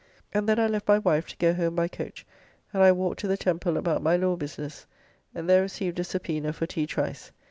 And then I left my wife to go home by coach, and I walked to the Temple about my law business, and there received a subpoena for T. Trice.